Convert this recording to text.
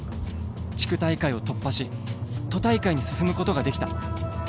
地区大会を突破し都大会に進むことができた。